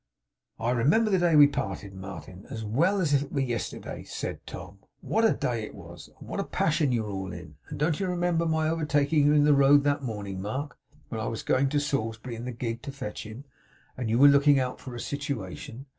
'I remember the day we parted, Martin, as well as if it were yesterday,' said Tom. 'What a day it was! and what a passion you were in! And don't you remember my overtaking you in the road that morning, Mark, when I was going to Salisbury in the gig to fetch him, and you were looking out for a situation?